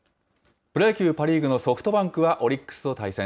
プロ野球、パ・リーグのソフトバンクは、オリックスと対戦。